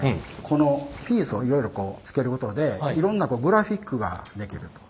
このピースをいろいろつけることでいろんなグラフィックができると。